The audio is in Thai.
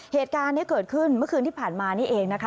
เหตุการณ์นี้เกิดขึ้นเมื่อคืนที่ผ่านมานี่เองนะคะ